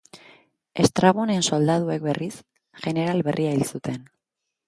Estrabonen soldaduek, berriz, jeneral berria hil zuten.